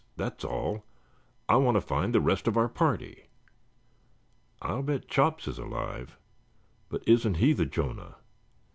That's all. I want to find the rest of our party." "I'll bet Chops is alive. But isn't he the Jonah?"